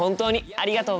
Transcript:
ありがとう！